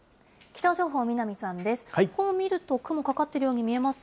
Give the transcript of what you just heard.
気象情報、南さんです。